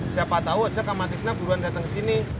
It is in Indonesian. siapa tau ajak sama tisna buruan datang ke sini